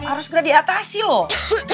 harus udah diatasi loh